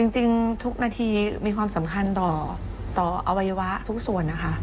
จริงทุกนาทีมีความสำคัญต่ออวัยวะทุกส่วนนะคะ